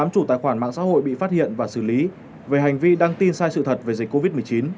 một mươi chủ tài khoản mạng xã hội bị phát hiện và xử lý về hành vi đăng tin sai sự thật về dịch covid một mươi chín